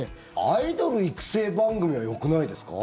アイドル育成番組はよくないですか？